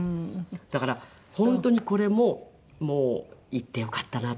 だから本当にこれももう行ってよかったなと。